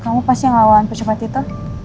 kamu pasti ngelawan percepat itu